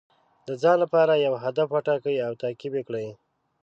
د ځان لپاره یو هدف وټاکئ او تعقیب یې کړئ.